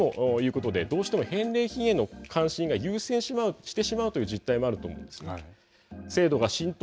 ということで、どうしても返礼品への関心が優先してしまうという実態があると思うんです。